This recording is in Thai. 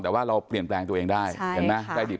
แต่ว่าเราเปลี่ยนแปลงตัวเองได้